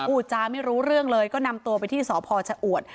พูดจาไม่รู้เรื่องเลยก็นำตัวไปที่สพชะอวด